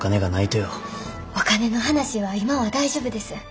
お金の話は今は大丈夫です。